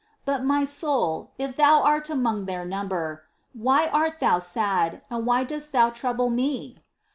'' But, my soul, if thou art among their number, " Why art thou sad, and why dost thou trouble me